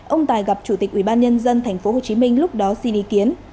ông tài gặp chủ tịch ubnd tp hcm lúc đó xin ý kiến